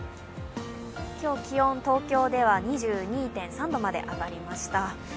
今日、気温が東京では２２．３度まで上がりました。